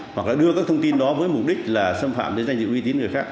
hoặc là đưa các thông tin đó với mục đích là xâm phạm đến danh dự uy tín người khác